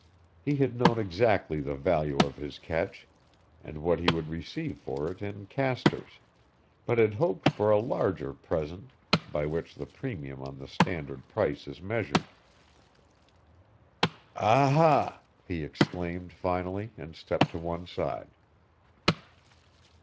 He had known exactly the value of his catch, and what he would receive for it in "castors," but had hoped for a larger "present," by which the premium on the standard price is measured. "Ah hah," he exclaimed, finally, and stepped to one side.